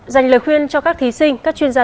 dành lời khuyên cho các thí sinh các chuyên gia